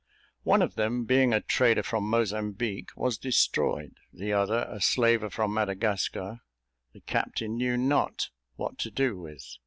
One of them, being a trader from Mozambique, was destroyed; the other, a slaver from Madagascar, the captain knew not what to do with.